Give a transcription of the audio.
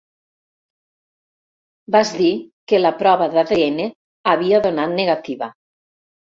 Vas dir que la prova d'ADN havia donat negativa.